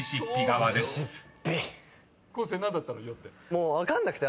もう分かんなくて。